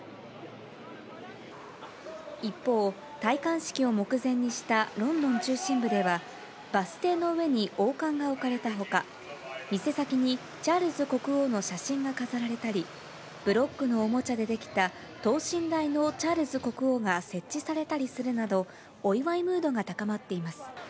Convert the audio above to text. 一方、戴冠式を目前にしたロンドン中心部では、バス停の上に王冠が置かれたほか、店先にチャールズ国王の写真が飾られたり、ブロックのおもちゃで出来た等身大のチャールズ国王が設置されたりするなど、お祝いムードが高まっています。